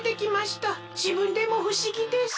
じぶんでもふしぎです。